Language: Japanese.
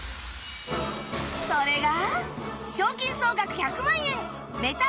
それが